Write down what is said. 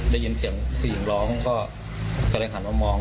ได้ยินเสียงผู้หญิงร้องก็เลยหันมามอง